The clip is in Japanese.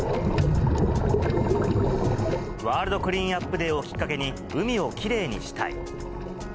ワールドクリーンアップデーをきっかけに、海をきれいにしたい。